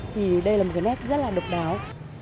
thì đây là một cái nét rất là độc đáo